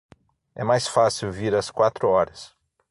É mais fácil vir às quatro horas.